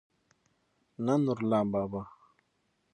نه نورلام بابا.